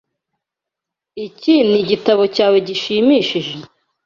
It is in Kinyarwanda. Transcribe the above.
Iki nigitabo cyawe gishimishije?